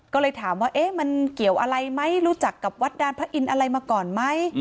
ก็เลยถามว่ามันเกี่ยวอะไรไหมรู้จักกับวัดดานพระอินทร์อะไรมาก่อนไหม